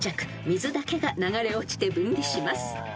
［水だけが流れ落ちて分離します］